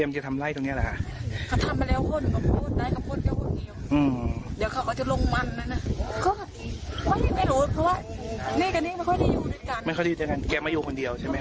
ดูคุณละบ้าน